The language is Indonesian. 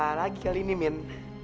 suara apa lagi kali ini min